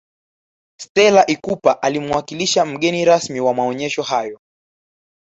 stella ikupa alimuwakilisha mgeni rasmi wa maonesho hayo